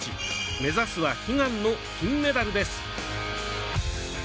目指すは悲願の金メダルです！